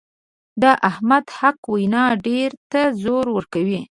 د احمد حقه وینا ډېرو ته زور ورکوي.